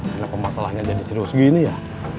kenapa masalahnya jadi serius gini ya